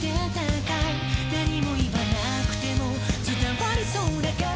「何も言わなくても伝わりそうだから」